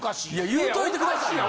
言うといてくださいよ。